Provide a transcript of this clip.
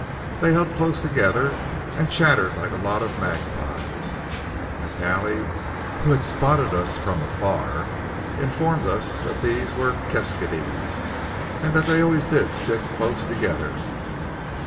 They held close together and chattered like a lot of magpies. McNally, who had spotted us from afar, informed us that these were "keskydees," and that they always did stick close together.